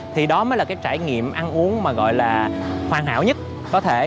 thì đó mới là cái trải nghiệm ăn uống mà gọi là hoàn hảo nhất có thể